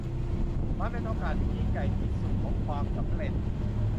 มันเป็นโอกาสที่ยิ่งใหญ่ที่สุดของความสำเร็จ